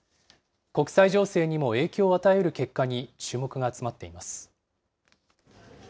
国際情勢にも影響を与えうる結果に注目が集まっています。